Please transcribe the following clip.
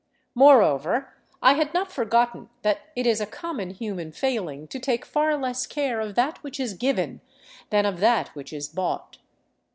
Moreover, I had not forgotten that it is a common human failing to take far less care of that which is given than of that which is bought.